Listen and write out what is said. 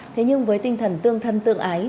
thế nhưng với tinh thần tương thân tương ái